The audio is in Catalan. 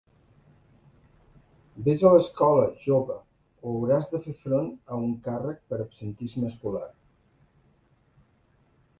Vés a l'escola, jove, o hauràs de fer front a un càrrec per absentisme escolar!